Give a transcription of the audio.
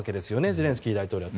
ゼレンスキー大統領は。